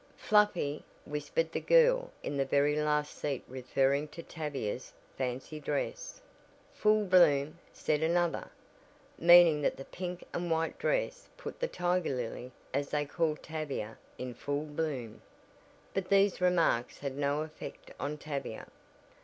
"Fluffy!" whispered the girl in the very last seat referring to Tavia's fancy dress. "Full bloom!" said another, meaning that the pink and white dress put the "Tiger Lily," as they called Tavia, in full bloom. But these remarks had no effect on Tavia.